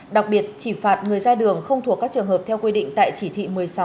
đặc biệt chỉ phạt người ra đường không thuộc các trường hợp theo quy định tại chỉ thị một mươi sáu